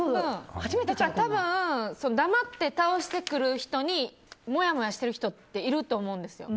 多分、黙って倒してくる人にもやもやしている人っていると思うんですよ。